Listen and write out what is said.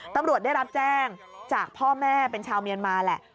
ตำรวจได้รับแจ้งจากพ่อแม่เป็นชาวเมียนมาแหละ